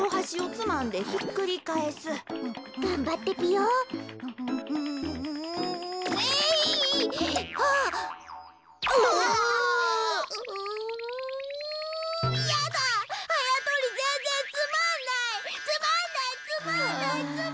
つまんない！